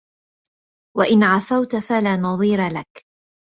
وَإِنْ عَفَوْتَ فَلَا نَظِيرَ لَك